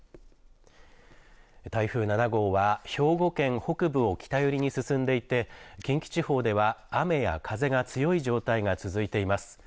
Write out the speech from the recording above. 台風７号は兵庫県北部を北寄りに進んでいて近畿地方では雨や風が強い状態が続いています。